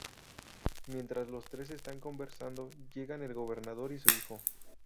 Mientras los tres están conversando llegan el gobernador y su hijo.